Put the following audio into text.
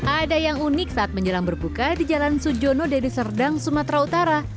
ada yang unik saat menjelang berbuka di jalan sujono dari serdang sumatera utara